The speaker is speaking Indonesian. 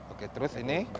oke terus ini